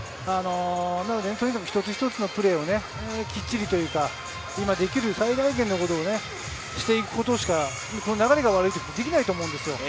とにかく一つ一つのプレーをきっちりできる最大限のことをしていくことしか流れが悪いときはできないと思うんですよ。